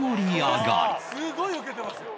「すごいウケてますよ」